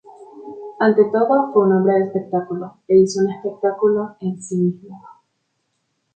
Ante todo fue un hombre del espectáculo, e incluso un espectáculo en sí mismo.